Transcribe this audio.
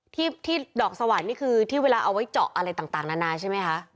ที่ดอกสวรรค์นี่คือที่เวลาเอาไว้เจาะอะไรต่างนานาใช่ไหมคะ